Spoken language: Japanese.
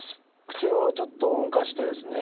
口をちょっと動かしてですね